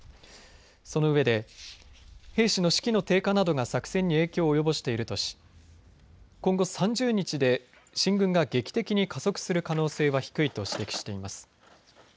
その上で兵士の士気の低下などが作戦に影響を及ぼしているとし今後３０日で進軍が劇的に加速する可能性は低いと指摘しています。